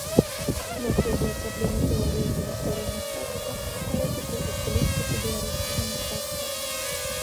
Даследуе праблемы тэорыі і гісторыі мастацтва, паэтыку і стылістыку беларускага мастацтва.